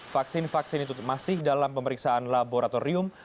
vaksin vaksin itu masih dalam pemeriksaan laboratorium